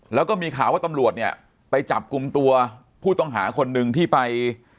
แล้วก็มีข่าวว่าตำรวจเนี่ยไปจับกลุ่มตัวผู้ต้องหาคนหนึ่งที่ไป